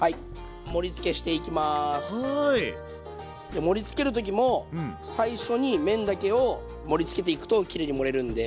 で盛りつける時も最初に麺だけを盛りつけていくときれいに盛れるんで。